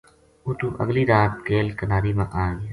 اُتوں اگلی رات کیل کناری ما آ گیا